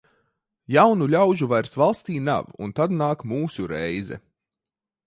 Jaunu ļaužu vairs valstī nav, un tad nāk mūsu reize.